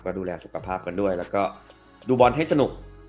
ดูแลสุขภาพกันด้วยแล้วก็ดูบอลให้สนุก